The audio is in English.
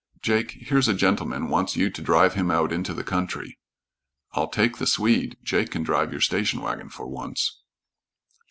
"Jake, here's a gentleman wants you to drive him out into the country, " "I'll take the Swede. Jake can drive your station wagon for once."